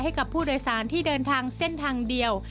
ให้กับผู้โดยสารที่เดินทางเส้นทางเดียว